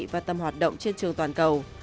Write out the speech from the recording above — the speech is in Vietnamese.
và tầm hoạt động trên trường toàn cầu